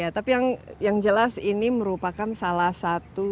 tapi yang jelas ini merupakan salah satu